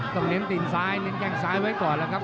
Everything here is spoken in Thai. เน้นตีนซ้ายเน้นแข้งซ้ายไว้ก่อนแล้วครับ